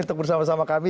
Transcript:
untuk bersama sama kami